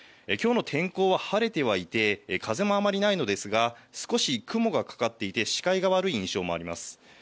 きょうの天候は晴れてはいて、風もあまりないのですが、少し雲がかかっていて視界が悪い印象もあります。